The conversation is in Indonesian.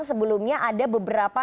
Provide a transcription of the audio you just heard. sebelumnya ada beberapa